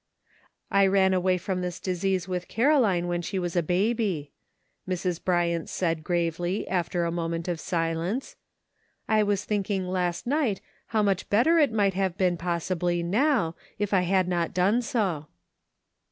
"T ran away from this disease with Caroline when she was a baby," Mrs. Bryant said gravely after a moment of silence. " I was thinking last night how much better it might have been, possibly, now, if I had not done so."